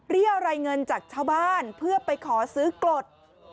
เรียกอะไรเงินจากชาวบ้านเพื่อไปขอซื้อกรด